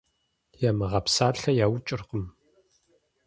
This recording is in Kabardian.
Ямыгъэпсалъэ яукӀыркъым.